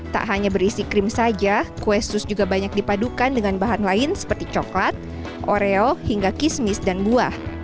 tak hanya berisi krim saja kue sus juga banyak dipadukan dengan bahan lain seperti coklat oreo hingga kismis dan buah